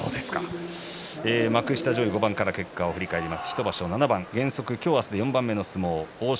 幕下上位５番の結果を振り返ります。